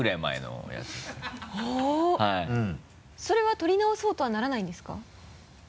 それは撮り直そうとはならないんですか？